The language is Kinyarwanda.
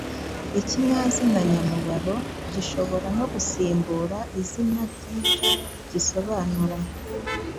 Ikinyazina nyamubaro gishobora no gusimbura izina ry’icyo gisobanura,